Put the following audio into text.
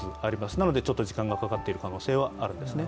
なのでちょっと時間がかかってる可能性があるんですね。